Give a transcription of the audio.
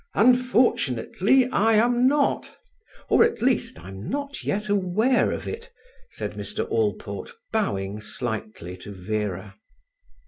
"Unfortunately, I am not—or at least I am not yet aware of it," said Mr. Allport, bowing slightly to Vera.